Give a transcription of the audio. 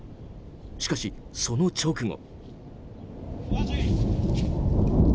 しかし、その直後。